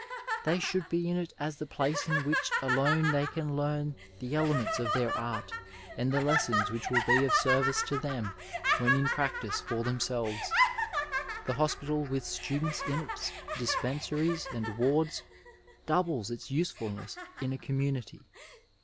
They should be in it as the place in which alone they can learn the elements of their art and the lessons which will be of service to them when in practice for themselves. The hospital with students in its dispensaries and wards doubles its usefulness in a community.